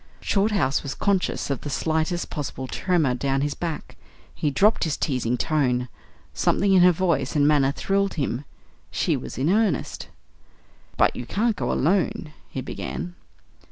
Shorthouse was conscious of the slightest possible tremor down his back. He dropped his teasing tone. Something in her voice and manner thrilled him. She was in earnest. "But you can't go alone " he began.